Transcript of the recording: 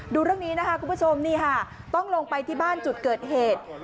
ดูเรื่องนี้นะคะคุณผู้ชมนี่ค่ะต้องลงไปที่บ้านจุดเกิดเหตุ